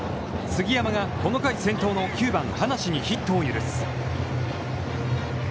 杉山がこの回先頭の９番端無にヒットを許す。